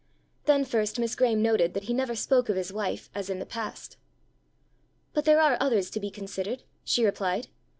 Then first Miss Graeme noted that he never spoke of his wife as in the past. "But there are others to be considered," she replied.